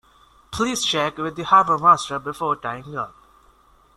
Please check with the harbourmaster before tying up